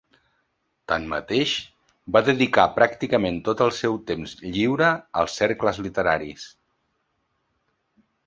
Tanmateix, va dedicar pràcticament tot el seu temps lliure als cercles literaris.